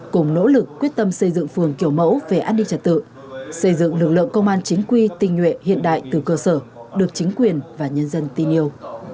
cùng nỗ lực quyết tâm xây dựng phường kiểu mẫu về an ninh trật tự xây dựng lực lượng công an chính quy tinh nhuệ hiện đại từ cơ sở được chính quyền và nhân dân tin yêu